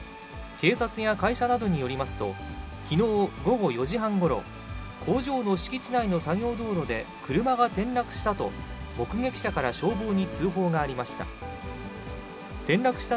警察や会社などによりますと、きのう午後４時半ごろ、工場の敷地内の作業道路で車が転落したと目撃者から消防に通報がありました。